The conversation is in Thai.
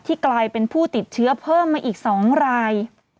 กลายเป็นผู้ติดเชื้อเพิ่มมาอีก๒ราย